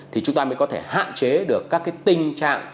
thì chúng ta mới có thể hạn chế được các cái tinh tra